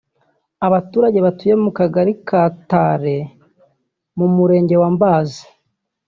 Abaturage batuye mu kagari ka Tare mu murenge wa Mbazi